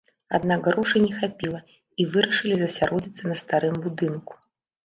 Аднак грошай не хапіла, і вырашылі засяродзіцца на старым будынку.